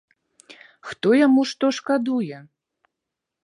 Хто яму што шкадуе?